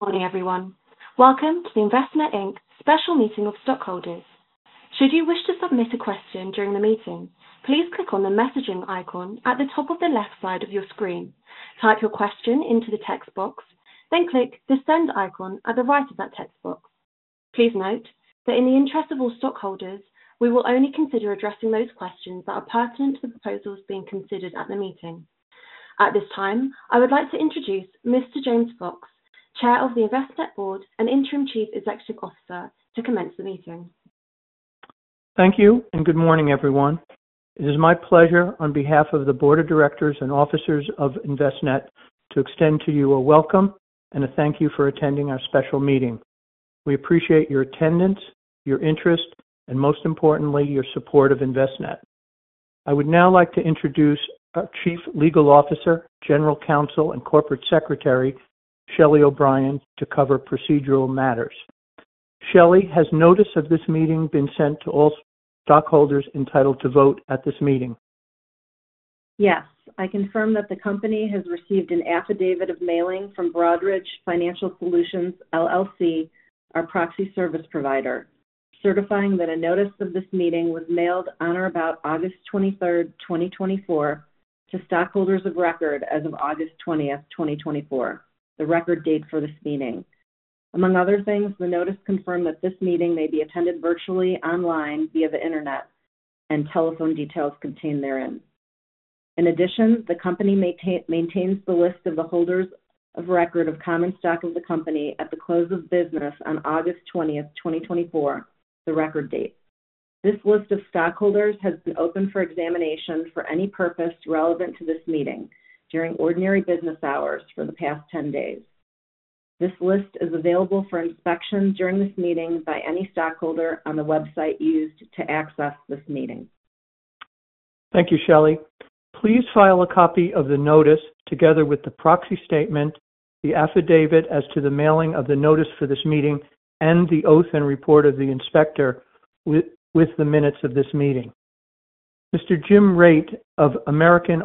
Good morning, everyone. Welcome to the Envestnet, Inc. Special Meeting of Stockholders. Should you wish to submit a question during the meeting, please click on the messaging icon at the top of the left side of your screen. Type your question into the text box, then click the send icon at the right of that text box. Please note that in the interest of all stockholders, we will only consider addressing those questions that are pertinent to the proposals being considered at the meeting. At this time, I would like to introduce Mr. James Fox, Chair of the Envestnet Board and Interim Chief Executive Officer, to commence the meeting. Thank you, and good morning, everyone. It is my pleasure, on behalf of the Board of Directors and officers of Envestnet, to extend to you a welcome and a thank you for attending our special meeting. We appreciate your attendance, your interest, and most importantly, your support of Envestnet. I would now like to introduce our Chief Legal Officer, General Counsel, and Corporate Secretary, Shelly O'Brien, to cover procedural matters. Shelly, has notice of this meeting been sent to all stockholders entitled to vote at this meeting? Yes, I confirm that the company has received an affidavit of mailing from Broadridge Financial Solutions, LLC, our proxy service provider, certifying that a notice of this meeting was mailed on or about August 23rd, 2024, to stockholders of record as of August 20th, 2024, the record date for this meeting. Among other things, the notice confirmed that this meeting may be attended virtually online via the Internet and telephone details contained therein. In addition, the company maintains the list of the holders of record of common stock of the company at the close of business on August 20th, 2024, the record date. This list of stockholders has been open for examination for any purpose relevant to this meeting during ordinary business hours for the past 10 days. This list is available for inspection during this meeting by any stockholder on the website used to access this meeting. Thank you, Shelly. Please file a copy of the notice, together with the proxy statement, the affidavit as to the mailing of the notice for this meeting, and the oath and report of the inspector with the minutes of this meeting. Mr. Jim Raitt of American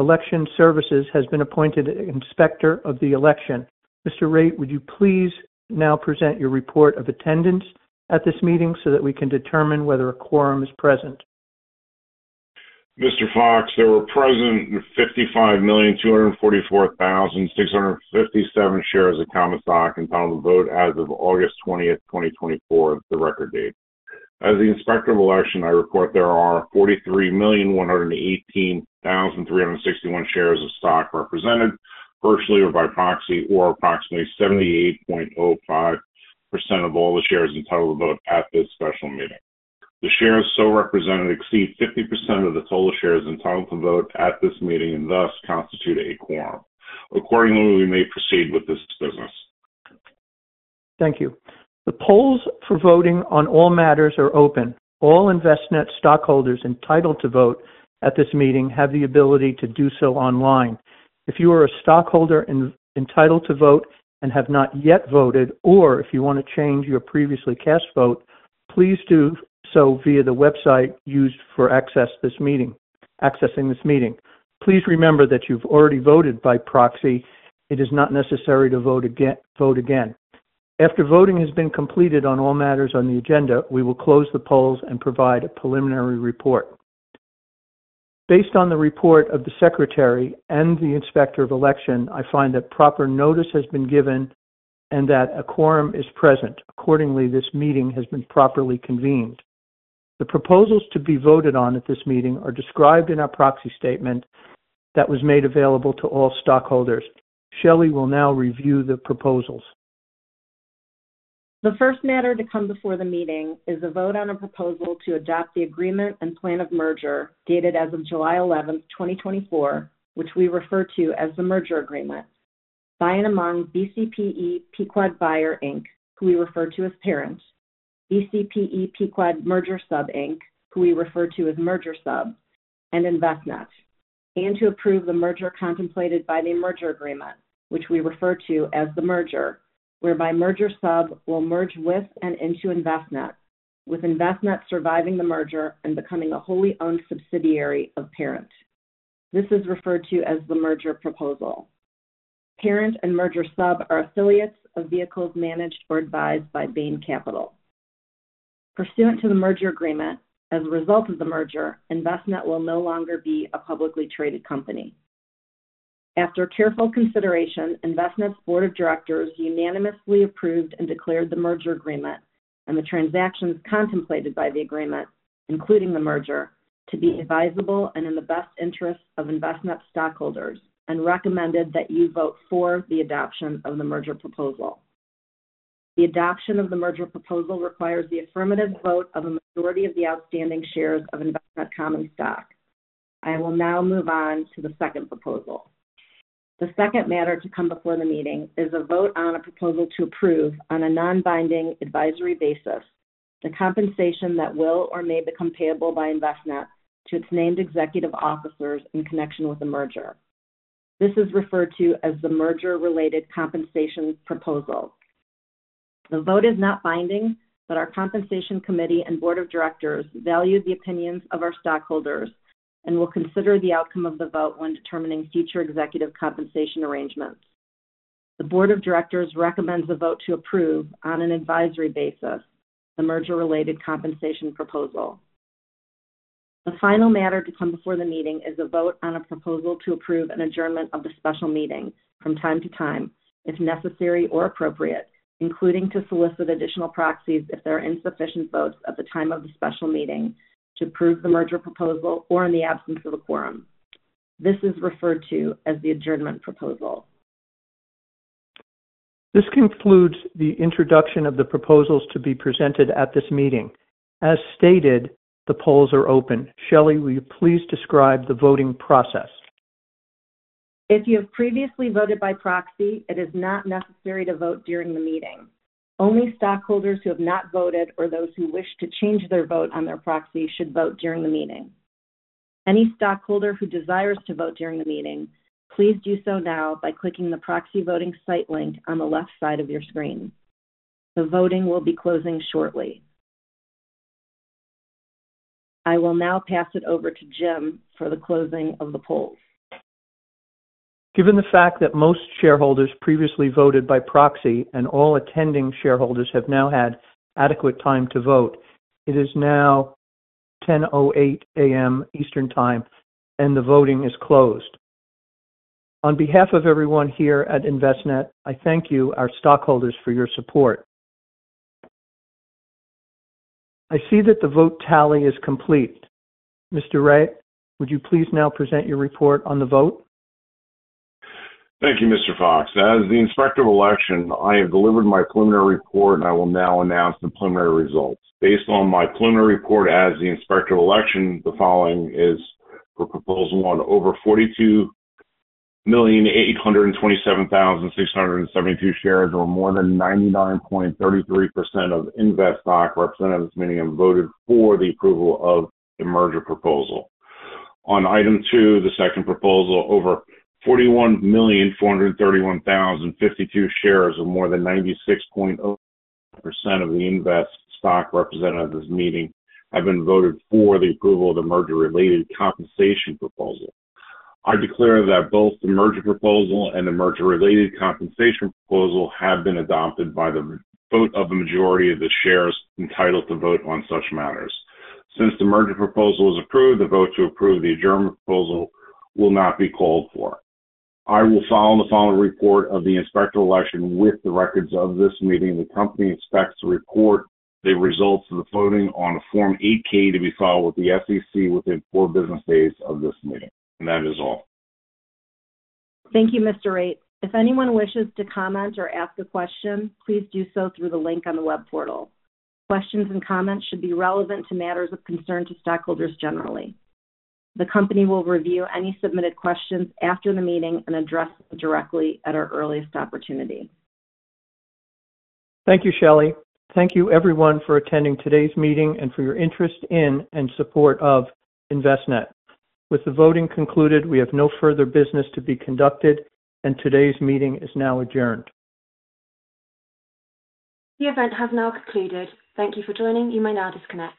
Election Services has been appointed Inspector of the Election. Mr. Raitt, would you please now present your report of attendance at this meeting so that we can determine whether a quorum is present? Mr. Fox, there were present 55,244,657 shares of common stock entitled to vote as of August 20th, 2024, the record date. As the Inspector of Election, I report there are 43,118,361 shares of stock represented, virtually or by proxy, or approximately 78.05% of all the shares entitled to vote at this special meeting. The shares so represented exceed 50% of the total shares entitled to vote at this meeting and thus constitute a quorum. Accordingly, we may proceed with this business. Thank you. The polls for voting on all matters are open. All Envestnet stockholders entitled to vote at this meeting have the ability to do so online. If you are a stockholder entitled to vote and have not yet voted, or if you want to change your previously cast vote, please do so via the website used for accessing this meeting. Please remember that you've already voted by proxy, it is not necessary to vote again. After voting has been completed on all matters on the agenda, we will close the polls and provide a preliminary report. Based on the report of the Secretary and the Inspector of Election, I find that proper notice has been given and that a quorum is present. Accordingly, this meeting has been properly convened. The proposals to be voted on at this meeting are described in our proxy statement that was made available to all stockholders. Shelly will now review the proposals. The first matter to come before the meeting is a vote on a proposal to adopt the agreement and plan of merger, dated as of July 11th, 2024, which we refer to as the merger agreement, by and among BCPE Pequod Buyer, Inc., who we refer to as Parent, BCPE Pequod Merger Sub, Inc., who we refer to as Merger Sub, and Envestnet, and to approve the merger contemplated by the merger agreement, which we refer to as the merger, whereby Merger Sub will merge with and into Envestnet, with Envestnet surviving the merger and becoming a wholly-owned subsidiary of Parent. This is referred to as the merger proposal. Parent and Merger Sub are affiliates of vehicles managed or advised by Bain Capital. Pursuant to the merger agreement, as a result of the merger, Envestnet will no longer be a publicly traded company. After careful consideration, Envestnet's Board of Directors unanimously approved and declared the merger agreement and the transactions contemplated by the agreement, including the merger, to be advisable and in the best interest of Envestnet stockholders, and recommended that you vote for the adoption of the merger proposal. The adoption of the merger proposal requires the affirmative vote of a majority of the outstanding shares of Envestnet common stock. I will now move on to the second proposal. The second matter to come before the meeting is a vote on a proposal to approve, on a non-binding, advisory basis, the compensation that will or may become payable by Envestnet to its named executive officers in connection with the merger. This is referred to as the merger-related compensation proposal. The vote is not binding, but our Compensation Committee and Board of Directors value the opinions of our stockholders and will consider the outcome of the vote when determining future executive compensation arrangements. The Board of Directors recommends a vote to approve on an advisory basis the merger-related compensation proposal. The final matter to come before the meeting is a vote on a proposal to approve an adjournment of the special meeting from time to time, if necessary or appropriate, including to solicit additional proxies if there are insufficient votes at the time of the special meeting to approve the merger proposal or in the absence of a quorum. This is referred to as the adjournment proposal. This concludes the introduction of the proposals to be presented at this meeting. As stated, the polls are open. Shelly, will you please describe the voting process? If you have previously voted by proxy, it is not necessary to vote during the meeting. Only stockholders who have not voted or those who wish to change their vote on their proxy should vote during the meeting. Any stockholder who desires to vote during the meeting, please do so now by clicking the proxy voting site link on the left side of your screen. The voting will be closing shortly. I will now pass it over to Jim for the closing of the polls. Given the fact that most shareholders previously voted by proxy and all attending shareholders have now had adequate time to vote, it is now 10:08 A.M. Eastern Time, and the voting is closed. On behalf of everyone here at Envestnet, I thank you, our stockholders, for your support. I see that the vote tally is complete. Mr. Raitt, would you please now present your report on the vote? Thank you, Mr. Fox. As the Inspector of Election, I have delivered my preliminary report, and I will now announce the preliminary results. Based on my preliminary report as the Inspector of Election, the following is for proposal one: over 42,827,672 shares, or more than 99.33% of the Envest stock represented at this meeting, voted for the approval of the merger proposal. On item two, the second proposal, over 41,431,052 shares of more than 96.0% of the Envest stock represented at this meeting have been voted for the approval of the merger-related compensation proposal. I declare that both the merger proposal and the merger-related compensation proposal have been adopted by the vote of the majority of the shares entitled to vote on such matters. Since the merger proposal was approved, the vote to approve the adjournment proposal will not be called for. I will file the final report of the Inspector of Election with the records of this meeting. The company expects to report the results of the voting on a Form 8-K to be filed with the SEC within four business days of this meeting, and that is all. Thank you, Mr. Raitt. If anyone wishes to comment or ask a question, please do so through the link on the web portal. Questions and comments should be relevant to matters of concern to stockholders generally. The company will review any submitted questions after the meeting and address them directly at our earliest opportunity. Thank you, Shelly. Thank you everyone for attending today's meeting and for your interest in and support of Envestnet. With the voting concluded, we have no further business to be conducted, and today's meeting is now adjourned. The event has now concluded. Thank you for joining. You may now disconnect.